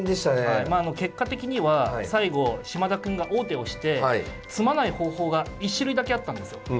はいまああの結果的には最後嶋田くんが王手をして詰まない方法が１種類だけあったんですよ。